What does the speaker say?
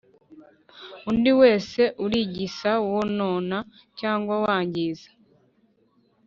Undi wese urigisa wonona cyangwa wangiza